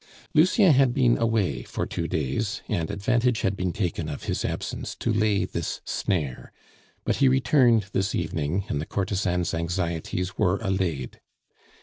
Lucien had been away for two days, and advantage had been taken of his absence to lay this snare, but he returned this evening, and the courtesan's anxieties were allayed.